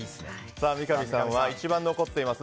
さあ、三上さんは一番残っています。